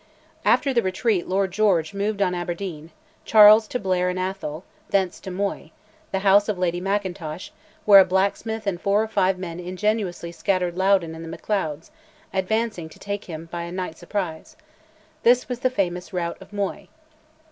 After the retreat Lord George moved on Aberdeen; Charles to Blair in Atholl; thence to Moy, the house of Lady Mackintosh, where a blacksmith and four or five men ingeniously scattered Loudoun and the Macleods, advancing to take him by a night surprise. This was the famous Rout of Moy.